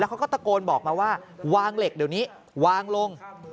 เขาก็ตะโกนบอกมาว่าวางเหล็กเดี๋ยวนี้วางลง